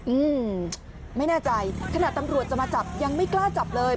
อืมไม่แน่ใจขนาดตำรวจจะมาจับยังไม่กล้าจับเลย